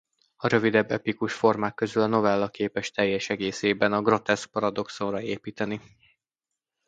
A rövidebb epikus formák közül a novella képes teljes egészében a groteszk paradoxonra építeni.